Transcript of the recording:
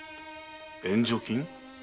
援助金？